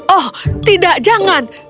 oh tidak jangan